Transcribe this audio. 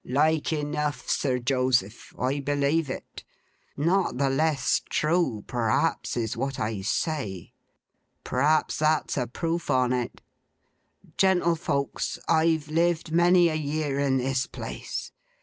'Like enough, Sir Joseph. I believe it. Not the less true, perhaps, is what I say. Perhaps that's a proof on it. Gentlefolks, I've lived many a year in this place.